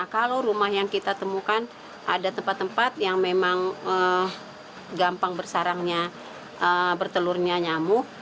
kalau rumah yang kita temukan ada tempat tempat yang memang gampang bersarangnya bertelurnya nyamuk